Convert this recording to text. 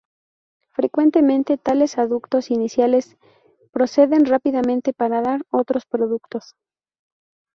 Frecuentemente, tales aductos iniciales proceden rápidamente para dar otros productos.